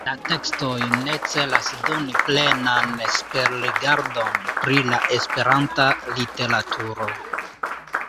La tekstoj ne celas doni plenan superrigardon pri la Esperanta literaturo.